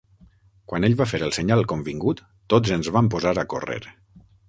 Quan ell va fer el senyal convingut, tots ens vam posar a córrer.